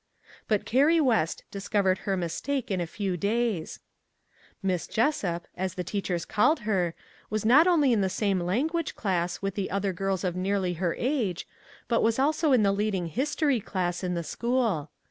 But Carrie West discovered her mistake in a few days. " Miss Jessup," as the teachers called her, was not only in the same language 318 A MEMORABLE BIRTHDAY class with the other girls of nearly her age, but was also in the leading history class in the school.